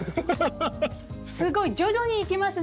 すごい！徐々に来ますね！